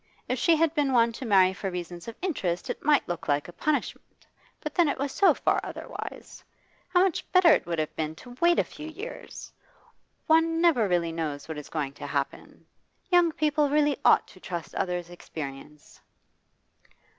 If she had been one to marry for reasons of interest it might look like a punishment; but then it was so far otherwise. How much better it would have been to wait a few years! One really never knows what is going to happen. Young people really ought to trust others' experience.